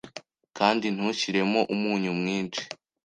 kandi ntushyiremo umunyu mwinshi.